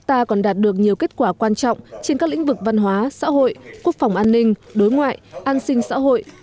nhiều năm chúng ta có thể đạt được nhiều kết quả quan trọng trên các lĩnh vực văn hóa xã hội quốc phòng an ninh đối ngoại an sinh xã hội